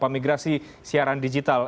migrasi siaran digital